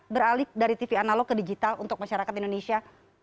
beralih dari tv analog ke digital untuk masyarakat indonesia